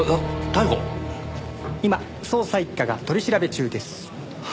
今捜査一課が取り調べ中です。